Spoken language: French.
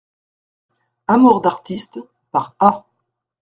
Amours d'artistes, par A.